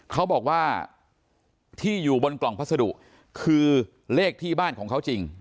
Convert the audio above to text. เขาบอกว่าที่อยู่บนกล่องพัสดุคือเลขที่บ้านของเขาจริง